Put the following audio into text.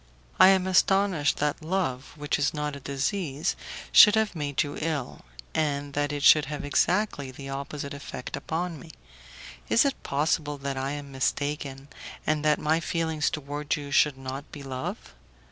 I am astonished that love, which is not a disease, should have made you ill, and that it should have exactly the opposite effect upon me. Is it possible that I am mistaken, and that my feeling towards you should not be love?